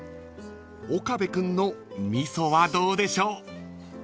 ［岡部君の味噌はどうでしょう］